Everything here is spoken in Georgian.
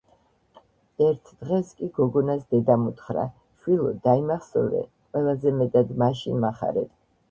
რთ დღეს კი გოგონას დედამ უთხრა: _ შვილო, დაიმახსოვრე ყველაზე მეტად მაშინ მახარებ